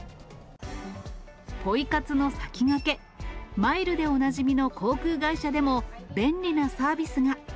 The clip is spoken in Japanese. ポイ活の先がけ、マイルでおなじみの航空会社でも、便利なサービスが。